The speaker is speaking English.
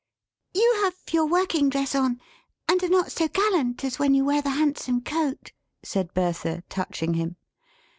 "You have your working dress on, and are not so gallant as when you wear the handsome coat?" said Bertha, touching him.